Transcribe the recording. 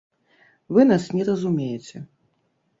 Вы нас не разумееце.